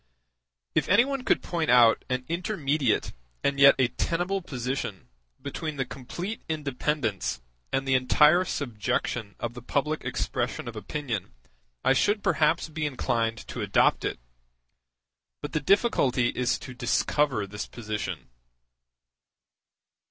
If any one could point out an intermediate and yet a tenable position between the complete independence and the entire subjection of the public expression of opinion, I should perhaps be inclined to adopt it; but the difficulty is to discover this position.